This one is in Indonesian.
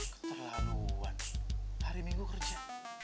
keterlaluan hari minggu kerja